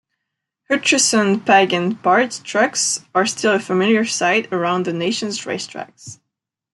Hutcherson-Pagan parts trucks are still a familiar site around the nation's race tracks.